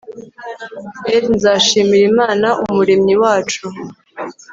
r/ nzashimira imana umuremyi wacu